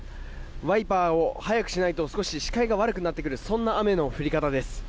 ワイパーを速くしないと少し視界が悪くなってくるそんな雨の降り方です。